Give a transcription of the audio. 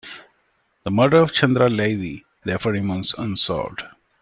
The murder of Chandra Levy therefore remains unsolved.